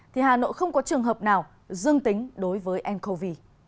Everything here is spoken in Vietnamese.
thì hà nội không có trường hợp nào dương tính đối với ncov